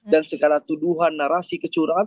segala tuduhan narasi kecurangan